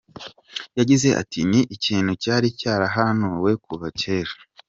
Yagize ati “Ni ikintu cyari cyarahanuwe kuva kera.